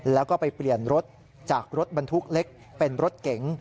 แล้วก็ไปเปลี่ยนรถจากรถบรรทุกเล็กเป็นรถเก๋ง